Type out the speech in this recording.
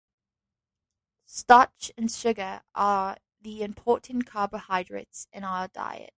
Starch and sugar are the important carbohydrates in our diet.